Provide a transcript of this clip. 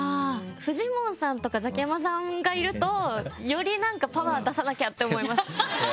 フジモンさんとかザキヤマさんがいるとよりなんかパワー出さなきゃって思います。